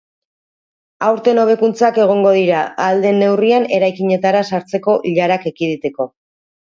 Aurten hobekuntzak egongo dira, ahal den neurrian, eraikinetara sartzeko ilarak ekiditeko.